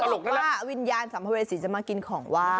้าบอกว่าวิญญาณสัมภเวียสีจะมากินของว่า